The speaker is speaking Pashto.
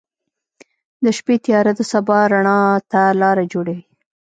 • د شپې تیاره د سبا رڼا ته لاره جوړوي.